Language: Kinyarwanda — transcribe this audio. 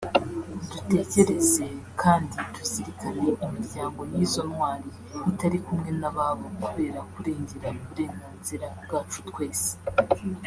Dutekereze kandi tuzirikane imiryango y’izo ntwari itari kumwe n’ababo kubera kurengera uburenganzira bwacu twese